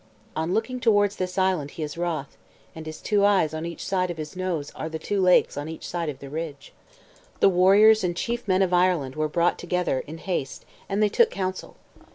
"On looking towards this island he is wroth, and his two eyes on each side of his nose are the two lakes on each side of the ridge." The warriors and chief men of Ireland were brought together in haste, and they took counsel.